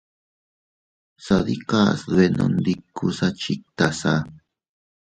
Sadikas dbenondikusa chiktasa.